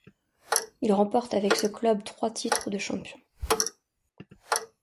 Il remporte avec ce club trois titres de champion.